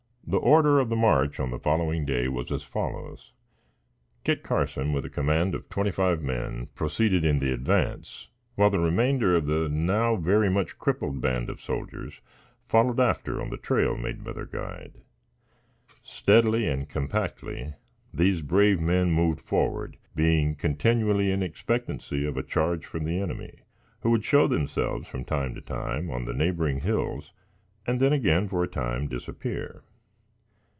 The order of the march on the following day was as follows: Kit Carson, with a command of twenty five men, proceeded in the advance, while the remainder, of the now very much crippled band of soldiers, followed after on the trail made by their guide. Steadily and compactly these brave men moved forward, being continually in expectancy of a charge from the enemy, who would show themselves, from time to time, on the neighboring hills, and then again, for a time, disappear.